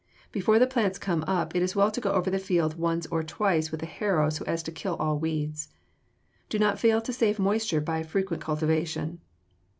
Before the plants come up it is well to go over the field once or twice with a harrow so as to kill all weeds. Do not fail to save moisture by frequent cultivation.